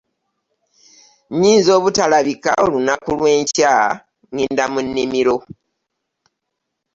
Nnyinza obutalabika olunaku lw'enkya, ŋŋenda mu nnimiro.